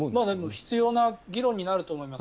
必要な議論になると思います。